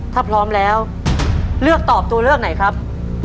ถ้าพร้อมแล้วเลือกตอบตัวเลือกไหนครับ